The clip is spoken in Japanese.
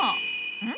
うん？